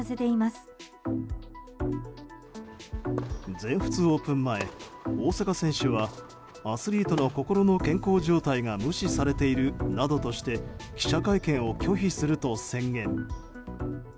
全仏オープン前大坂選手はアスリートの心の健康状態が無視されているなどとして記者会見を拒否すると宣言。